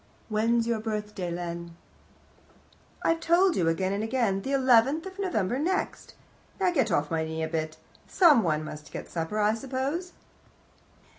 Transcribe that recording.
"When's your birthday, Len?" "I've told you again and again, the eleventh of November next. Now get off my knee a bit; someone must get supper, I suppose."